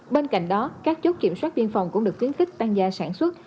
bên cạnh đó các chốt kiểm soát biên phòng cũng được tiến kích tăng gia sản xuất